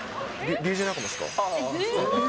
ＤＪ仲間ですか？